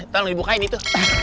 tolong dibukain itu